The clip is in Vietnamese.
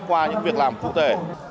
qua những việc làm cụ thể